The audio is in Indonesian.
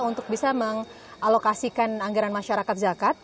untuk bisa mengalokasikan anggaran masyarakat zakat